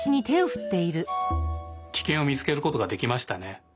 キケンを見つけることができましたね。